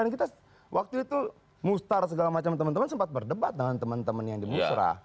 dan kita waktu itu mustar segala macam teman teman sempat berdebat dengan teman teman yang di musrah